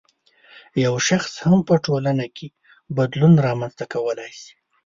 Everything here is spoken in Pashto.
یو شخص هم په ټولنه کې بدلون رامنځته کولای شي